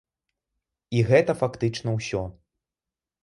І гэта фактычна ўсё.